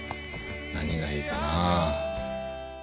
何がいいかなあ。